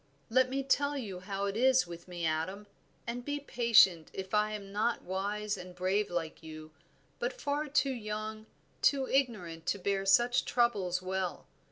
"Let me tell you how it is with me, Adam, and be patient if I am not wise and brave like you, but far too young, too ignorant to bear such troubles well.